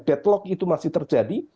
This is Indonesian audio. deadlock itu masih terjadi